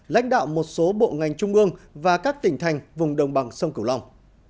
lãnh đạo một số bộ ngành trung ương và các tỉnh thành vùng đồng bằng sông cửu long